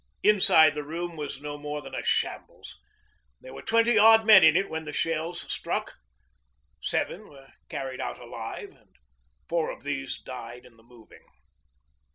Inside the room was no more than a shambles. There were twenty odd men in it when the shells struck. Seven were carried out alive, and four of these died in the moving.